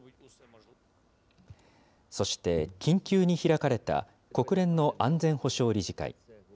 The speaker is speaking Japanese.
そして、緊急に開かれた国連の安全保障理事会。